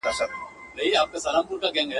شمعي دي بلیږي او ګډیږي دي ړانده ورته.